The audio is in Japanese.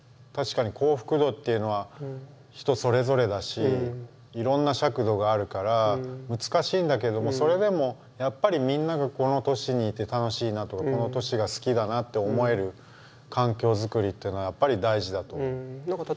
確かに幸福度っていうのは人それぞれだしいろんな尺度があるから難しいんだけれどもそれでもやっぱりみんながこの都市にいて楽しいなとかこの都市が好きだなって思える環境作りっていうのはやっぱり大事だと思う。